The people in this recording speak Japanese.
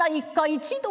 一同